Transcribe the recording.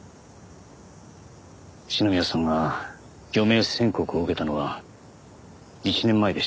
篠宮さんが余命宣告を受けたのは１年前でした。